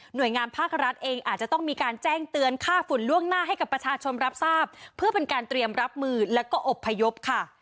โดยงานภาครัฐเองอาจจะต้องมีการแจ้งเตือนค่าฝุ่นล่วงหน้าให้กับประชาชนรับทราบเพื่อเป็นการเตรียมรับมือแล้วก็อบพยพค่ะ